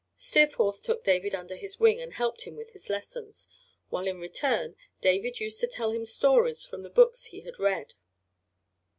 Steerforth took David under his wing and helped him with his lessons, while in return David used to tell him stories from the books he had read.